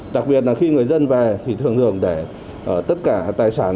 đặc biệt là khi người dân về thì thường hưởng để tất cả tài sản